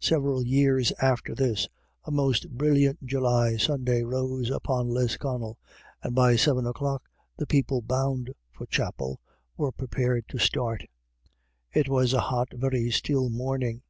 Several years after this, a most brilliant July Sunday rose upon Lisconnel, and by seven o'clock the people bound for chapel were prepared to start It was a hot, very still morning.